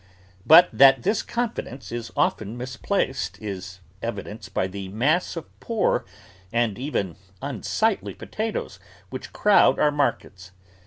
But that this confidence is often misplaced is evidenced by the mass of poor and even unsightly potatoes which crowd our markets.